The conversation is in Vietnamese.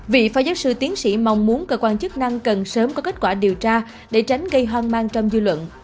vị phó giáo sư tiến sĩ mong muốn cơ quan chức năng cần sớm có kết quả điều tra để tránh gây hoang mang trong dư luận